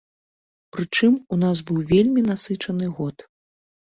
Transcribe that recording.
Прычым, у нас быў вельмі насычаны год.